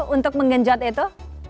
untuk mengenjat itu